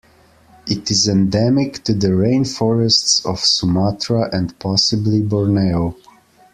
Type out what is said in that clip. It is endemic to the rainforests of Sumatra and possibly Borneo.